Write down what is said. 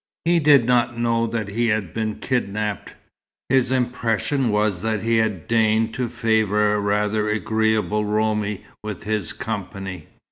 He did not know that he had been "kidnapped." His impression was that he had deigned to favour a rather agreeable Roumi with his company.